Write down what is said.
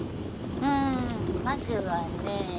うんまずはね。